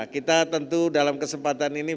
kita tentu dalam kesempatan ini